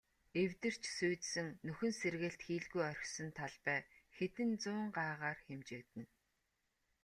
Эвдэрч сүйдсэн, нөхөн сэргээлт хийлгүй орхисон талбай хэдэн зуун гагаар хэмжигдэнэ.